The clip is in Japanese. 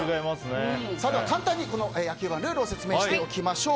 簡単に野球盤ルールを説明しておきましょう。